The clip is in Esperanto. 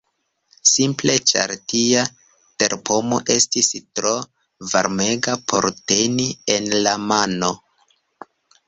Simple ĉar tia terpomo estis tro varmega por teni en la mano!